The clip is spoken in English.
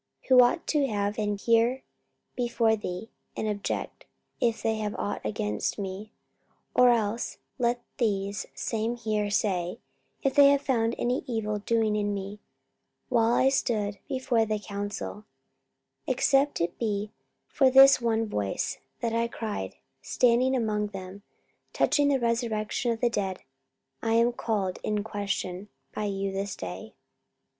44:024:019 Who ought to have been here before thee, and object, if they had ought against me. 44:024:020 Or else let these same here say, if they have found any evil doing in me, while I stood before the council, 44:024:021 Except it be for this one voice, that I cried standing among them, Touching the resurrection of the dead I am called in question by you this day.